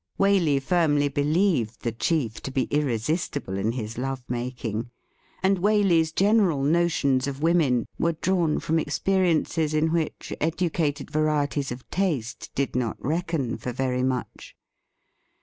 Waley firmly believed the chief to be irresistible in his love making, and Waley's general notions of women were drawn from experiences in which educated varieties of taste did not reckon for very much.